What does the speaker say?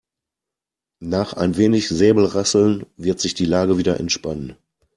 Nach ein wenig Säbelrasseln wird sich die Lage wieder entspannen.